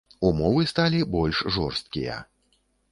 Умовы сталі больш жорсткія.